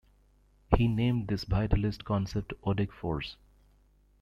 He named this vitalist concept "Odic force".